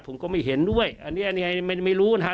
ผมก็ไม่เห็นด้วยอันนี้ไม่รู้นะ